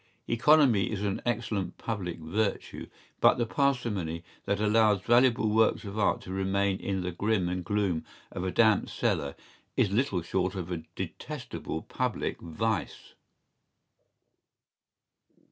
¬Ý Economy is an excellent public virtue, but the parsimony that allows valuable works of art to remain in the grim and gloom of a damp cellar is little short of a detestable public vice.